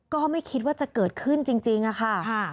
ก็ไม่คิดว่าจะเกิดขึ้นจริงค่ะ